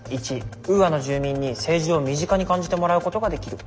１ウーアの住民に政治を身近に感じてもらうことができる。